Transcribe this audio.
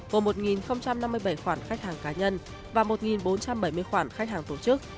gồm một năm mươi bảy khoản khách hàng cá nhân và một bốn trăm bảy mươi khoản khách hàng tổ chức